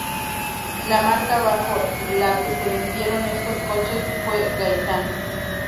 La marca bajo la que se vendieron estos coches fue Gaitán.